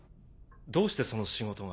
どうしてその仕事が。